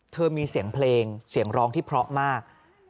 มีเสียงเพลงเสียงร้องที่เพราะมาก